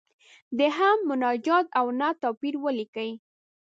د حمد، مناجات او نعت توپیر ولیکئ.